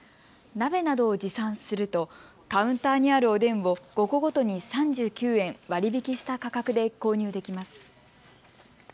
鍋などを持参するとカウンターにあるおでんを５個ごとに３９円割り引きした価格で購入できます。